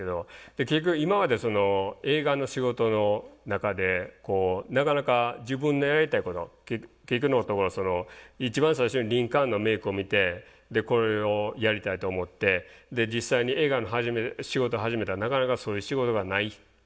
結局今まで映画の仕事の中でなかなか自分のやりたいこと結局のところ一番最初にリンカーンのメイクを見てこれをやりたいと思ってで実際に映画の仕事始めたらなかなかそういう仕事がない。